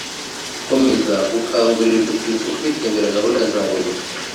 gukomeza gukangurira urubyiruko kwitabira gahunda za Leta